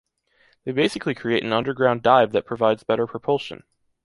They basically create an underground dive that provides better propulsion.